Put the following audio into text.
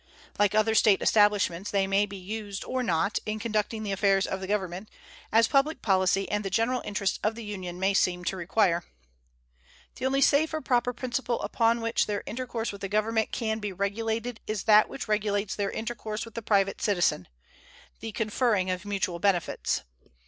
Like other State establishments, they may be used or not in conducting the affairs of the Government, as public policy and the general interests of the Union may seem to require. The only safe or proper principle upon which their intercourse with the Government can be regulated is that which regulates their intercourse with the private citizen the conferring of mutual benefits.